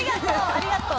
ありがとう。